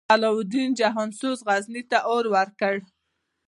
علاوالدین جهان سوز، غزني ته اور ورکړ.